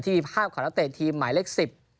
แต่ที่มีภาพของนักเตรียมทีมหมายเลขสิบ